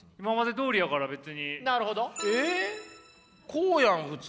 こうやん普通。